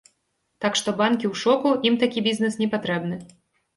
Так што банкі ў шоку, ім такі бізнес не патрэбны.